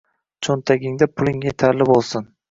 Cho'ntagingda puling yetarli bo'lsin.